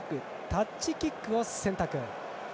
タッチキックを選択。